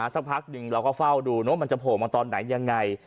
สักพักหนึ่งเราก็เฝ้าดูมันจะโผล่มาตอนไหนยังไง